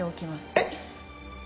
えっ！